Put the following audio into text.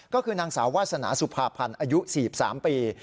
ก็คือนางสาววาสนาสุภาพันธ์อายุ๔๓ปี